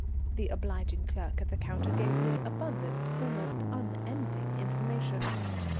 The obliging clerk at the counter gave me abundant, almost unending, information.